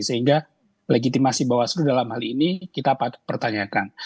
sehingga legitimasi bawah slu dalam hal ini kita patut pertanyakan